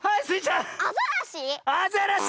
アザラシ？